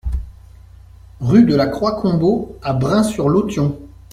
Rue de la Croix Combeau à Brain-sur-l'Authion